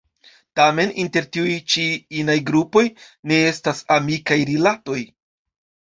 Tamen, inter tiuj ĉi inaj grupoj, ne estas amikaj rilatoj.